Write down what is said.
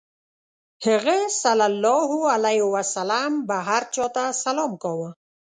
هغه ﷺ به هر چا ته سلام کاوه.